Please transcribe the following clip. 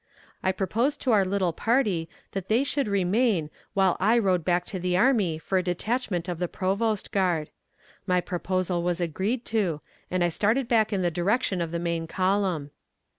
I proposed to our little party that they should remain while I rode back to the army for a detachment of the provost guard. My proposal was agreed to, and I started back in the direction of the main column.